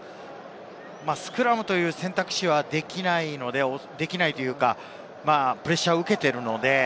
スクラムという選択肢はできないので、できないというかプレッシャーを受けているので。